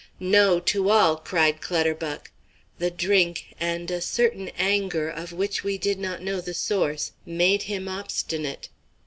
"No, to all," cried Clutterbuck. The drink, and a certain anger of which we did not know the source, made him obstinate.